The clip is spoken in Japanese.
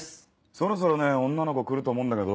そろそろね女の子来ると思うんだけど。